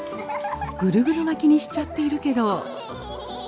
ぐるぐる巻きにしちゃっているけど！？